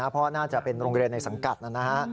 เพราะน่าจะเป็นโรงเรียนในสังกัดนะฮะ